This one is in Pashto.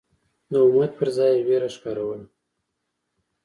د امید پر ځای یې وېره ښکاروله.